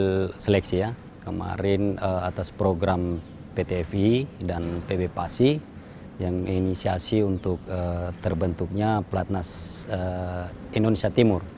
hasil seleksi ya kemarin atas program pt fi dan pb pasi yang inisiasi untuk terbentuknya platnas indonesia timur